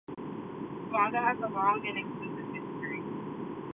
Buganda has a long and extensive history.